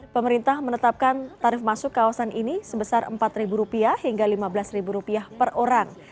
pemerintah menetapkan tarif masuk kawasan ini sebesar rp empat hingga rp lima belas per orang